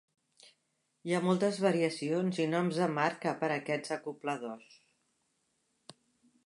Hi ha moltes variacions i noms de marca per a aquests acobladors.